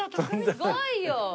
すごいよ！